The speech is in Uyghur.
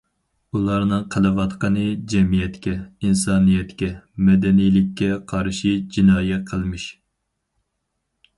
ئۇلارنىڭ قىلىۋاتقىنى جەمئىيەتكە، ئىنسانىيەتكە، مەدەنىيلىككە قارشى جىنايى قىلمىش.